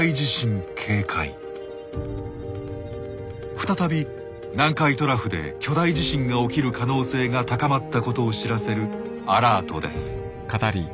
再び南海トラフで巨大地震が起きる可能性が高まったことを知らせるアラートです。